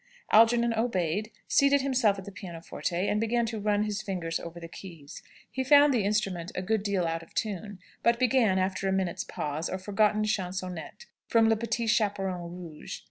Algernon obeyed, seated himself at the pianoforte, and began to run his fingers over the keys. He found the instrument a good deal out of tune; but began, after a minute's pause, a forgotten chansonette, from "Le Petit Chaperon Rouge."